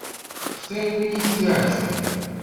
Xtir win i k-iεeǧben.